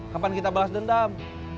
kapan kita balas dendam